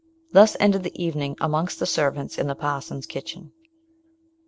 Thus ended the evening amongst the servants in the parson's kitchen.